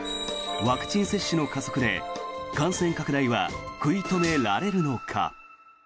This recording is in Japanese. ワクチン接種の加速で感染拡大は食い止められるのか。